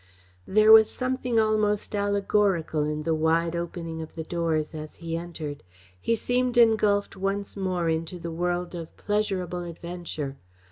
There was something almost allegorical in the wide opening of the doors as he entered. He seemed engulfed once more into the world of pleasurable adventure.